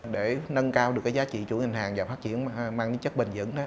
để nâng cao được cái giá trị chủ ngành hàng và phát triển mang những chất bình dẫn